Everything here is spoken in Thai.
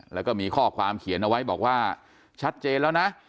แล้วก็มีข้อความเขียนเอาไว้บอกว่าชัดเจนแล้วนะ